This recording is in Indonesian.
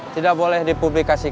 tidak boleh dipublikasikan